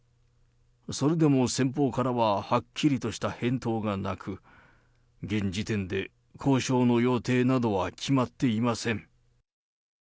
それでも先方からははっきりとした返答がなく、現時点で交渉の予定などは決まっていません。